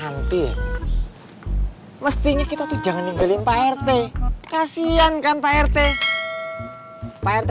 letup nah grape biru yang merekaward untuk yang bimaybe